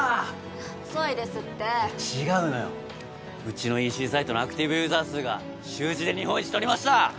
遅いですっていや違うのようちのＥＣサイトのアクティブユーザー数が週次で日本一とりました！